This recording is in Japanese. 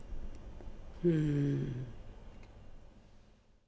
うん。